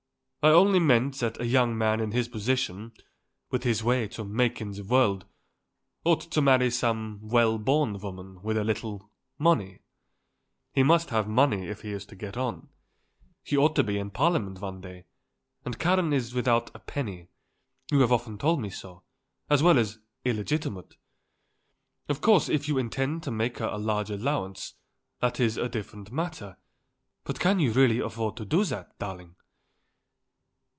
I only meant that a young man in his position, with his way to make in the world, ought to marry some well born woman with a little money. He must have money if he is to get on. He ought to be in parliament one day; and Karen is without a penny, you have often told me so, as well as illegitimate. Of course if you intend to make her a large allowance, that is a different matter; but can you really afford to do that, darling?"